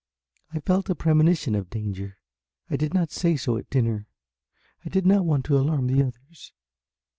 I felt a premonition of danger. I did not say so at dinner. I did not want to alarm the others."